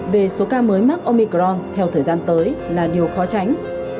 về số ca mới mắc omicron theo thời gian tới là điều khó tránh